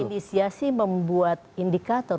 ini inisiasi membuat indikator